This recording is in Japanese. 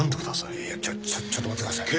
いやちょちょっと待ってください。